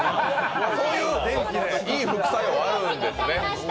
そういういい副作用があるんですね。